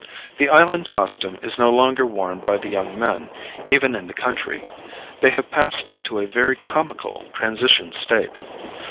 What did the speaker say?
The island costume is no longer worn by the young men, even in the country; they have passed into a very comical transition state.